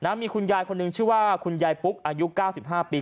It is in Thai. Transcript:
มีคุณยายคนหนึ่งชื่อว่าคุณยายปุ๊กอายุ๙๕ปี